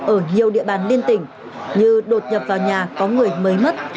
ở nhiều địa bàn liên tỉnh như đột nhập vào nhà có người mới mất